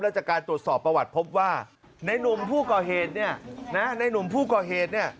แล้วจากการตรวจสอบประวัติพบว่าในนุ่มผู้ก่อเหตุเนี่ยนะในหนุ่มผู้ก่อเหตุเนี่ย